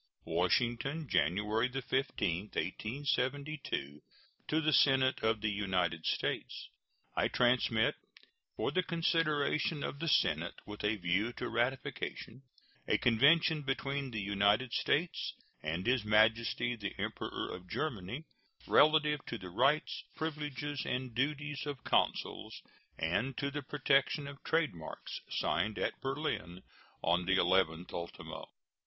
WASHINGTON, January 15, 1872. To the Senate of the United States: I transmit, for the consideration of the Senate with a view to ratification, a convention between the United States and His Majesty the Emperor of Germany, relative to the rights, privileges, and duties of consuls and to the protection of trade marks, signed at Berlin on the 11th ultimo.